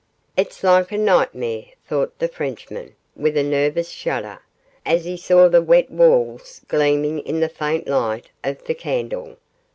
'It's like a nightmare,' thought the Frenchman, with a nervous shudder, as he saw the wet walls gleaming in the faint light of the candle.